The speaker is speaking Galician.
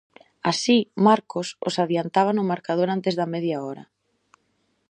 Así, Marcos os adiantaba no marcador antes da media hora.